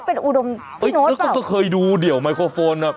เป็นอุดมพี่โน้ตก็เขาเคยดูเดี่ยวไมโครโฟนอ่ะ